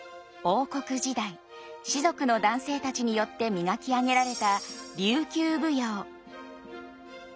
王国時代士族の男性たちによって磨き上げられた琉球舞踊。